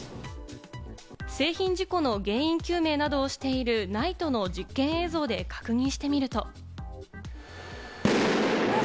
製品事故の原因究明などをしているＮＩＴＥの実験映像で確認してみると。